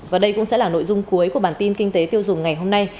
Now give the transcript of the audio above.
và đây cũng sẽ là nội dung cuối của bản tin kinh tế tiêu dùng ngày hôm nay